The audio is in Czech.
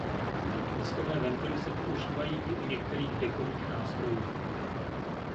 Pístové ventily se používají i u některých dechových nástrojů.